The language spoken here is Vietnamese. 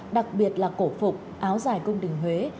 đặc biệt là cổ phục áo dài cung đình huế